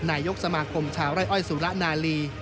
นายกสมาคมชาวไร่อ้อยสุระนาลี